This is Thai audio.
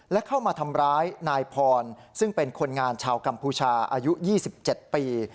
และเข้ามาทำร้ายนายพรซึ่งเป็นคนงานชาวกัมพูชาอายุ๒๗ปี